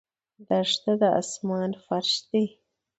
دښته د آسمان فرش دی.